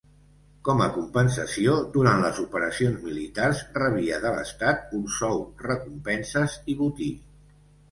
Com a compensació, durant les operacions militars rebia de l'Estat un sou, recompenses i botí.